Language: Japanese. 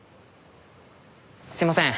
すいません。